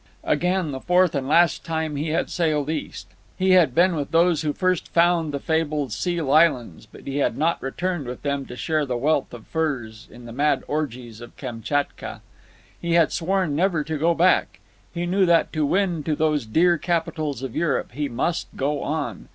Again, the fourth and last time, he had sailed east. He had been with those who first found the fabled Seal Islands; but he had not returned with them to share the wealth of furs in the mad orgies of Kamtchatka. He had sworn never to go back. He knew that to win to those dear capitals of Europe he must go on.